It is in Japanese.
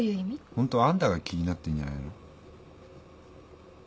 ホントはあんたが気になってんじゃないの？